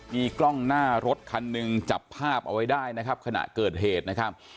มีกล้องหน้ารถคันหนึ่งจับภาพเอาไว้ได้นะครับขณะเกิดเหตุนะครับ